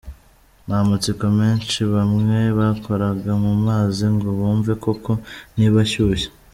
N’amatsiko menshi bamwe bakoraga mu mazi ngo bumve koko niba ashyushye.